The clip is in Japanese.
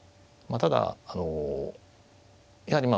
ただあのやはりまあ